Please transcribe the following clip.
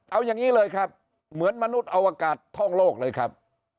เอาอย่างนี้เลยครับเหมือนมนุษย์อวกาศท่องโลกเลยครับ